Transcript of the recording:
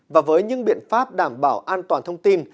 và với những biện pháp đảm bảo an toàn thông tin